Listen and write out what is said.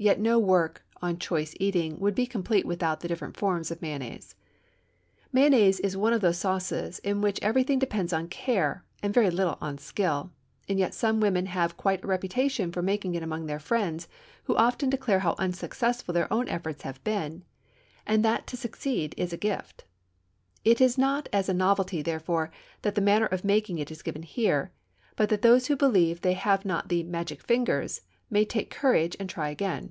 Yet no work on choice eating would be complete without the different forms of mayonnaise. Mayonnaise is one of those sauces in which everything depends on care, and very little on skill, and yet some women have quite a reputation for making it among their friends who often declare how unsuccessful their own efforts have been, and that to succeed is a gift. It is not as a novelty, therefore, that the manner of making it is given here, but that those who believe they have not the "magic fingers" may take courage and try again.